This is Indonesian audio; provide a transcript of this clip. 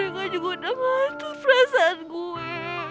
gatuh perasaan gue